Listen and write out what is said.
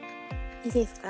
いいですか？